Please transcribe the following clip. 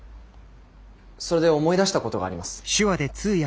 それで思い出したことがあります。